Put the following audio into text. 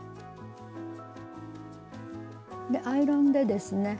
アイロンでですね